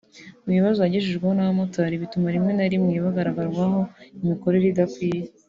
Mu bibazo yagejejweho n’abamotari bituma rimwe na rimwe bagaragarwaho imikorere idakwiye